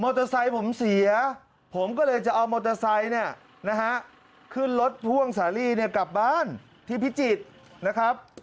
เตอร์ไซค์ผมเสียผมก็เลยจะเอามอเตอร์ไซค์เนี่ยนะฮะขึ้นรถพ่วงสาลีเนี่ยกลับบ้านที่พิจิตรนะครับ